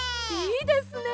いいですね。